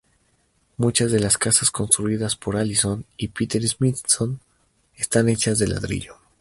Muchas de las casas construidas por Alison y Peter Smithson están hechas de ladrillo.